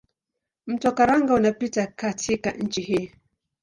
Mto Karanga unapita katika nchi hii.